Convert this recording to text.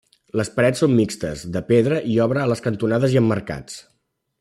Les parets són mixtes, de pedra i obra a les cantonades i emmarcats.